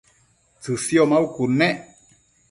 tsësio maucud nec